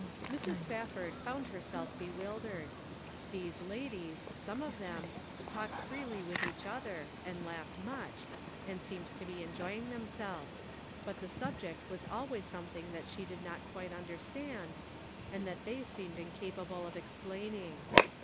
Mrs. Spafford found herself bewildered. These ladies — some of them — talked freely with each other, and laughed much, and seemed to be enjoying themselves ; but the subject was always something that she did not quite under 118 The Pocket Measure. stand, and that they seemed incapable of ex plaining.